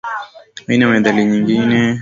Ana methali nyingi.